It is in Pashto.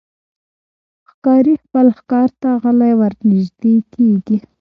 ښکاري خپل ښکار ته غلی ورنژدې کېږي.